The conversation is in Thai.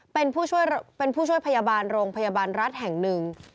เป็นผู้ช่วยพยาบาลโรงพยาบาลรัฐแห่งหนึ่ง